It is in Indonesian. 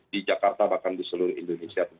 di jakarta bahkan di seluruh indonesia